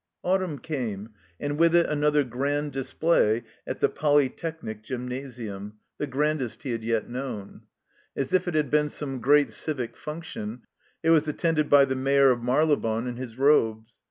Autunm came, and with it another Grand Dis play at the Polytechnic Gymnasium, the grandest 79 THE COMBINED MAZE he had yet known. As if it had been some great civic function, it was attended by the Mayor ot, Marylebone in his robes.